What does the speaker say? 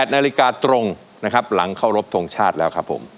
๑๘นาฬิกาตรงหลังเข้ารบโทงชาติแล้วครับผม